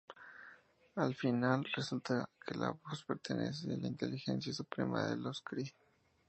Al final, resulta que la voz pertenece a la Inteligencia Suprema de los Kree.